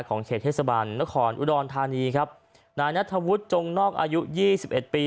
เขตเทศบาลนครอุดรธานีครับนายนัทธวุฒิจงนอกอายุยี่สิบเอ็ดปี